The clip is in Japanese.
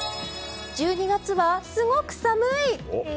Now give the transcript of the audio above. １２月はすごく寒い！